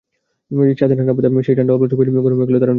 ছাদে ঠান্ডা বাতাস, সেই ঠান্ডা অল্প সময়েই গরম হয়ে গেল তারুণ্যের কাছে।